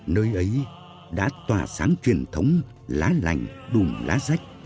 nơi ấy đã tỏa sáng truyền thống lá lành đùm lá rách